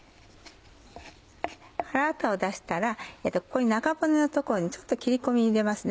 腹ワタを出したらここに中骨の所にちょっと切り込み入れますね。